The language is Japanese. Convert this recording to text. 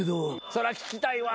そりゃ聞きたいわ。